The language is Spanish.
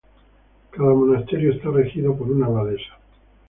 Cada monasterio está regido por una abadesa.